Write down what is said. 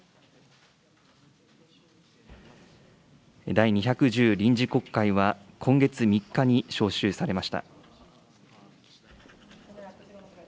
第２１０臨時国会は、今月３日に召集されました。